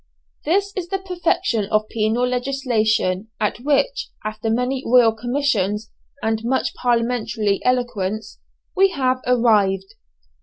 This is the perfection of penal legislation at which, after many royal commissions, and much parliamentary eloquence, we have arrived!